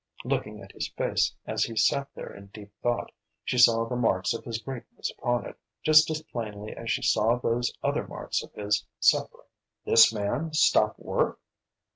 Looking at his face as he sat there in deep thought, she saw the marks of his greatness upon it just as plainly as she saw those other marks of his suffering. This man stop work?